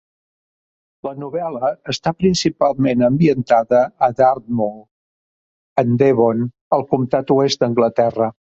La novel·la està principalment ambientada a Dartmoor, en Devon al Comtat Oest d'Anglaterra.